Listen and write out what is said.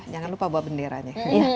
jangan lupa bawa benderanya